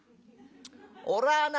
俺はな